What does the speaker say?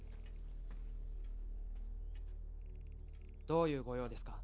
どういうご用ですか？